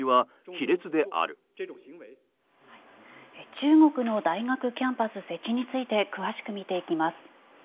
中国の大学キャンパス設置について詳しく見ていきます。